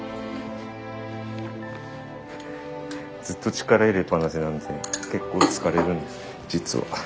ずっと力入れっぱなしなんで結構疲れるんです実は。